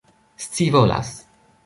scivolas